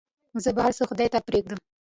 زه به هرڅه خداى ته پرېږدم.